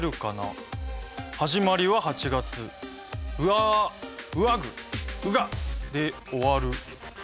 始まりは８月うああ、うあぐ、うが、で終わる」。